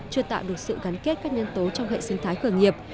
chưa tạo được sự gắn kết các nhân tố trong hệ sinh thái khởi nghiệp